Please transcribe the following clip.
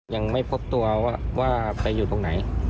ยังไม่พบตัวว่าไปอยู่ตรงไหน